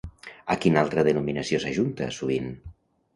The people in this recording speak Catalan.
A quina altra denominació s'ajunta, sovint?